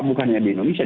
bukannya di indonesia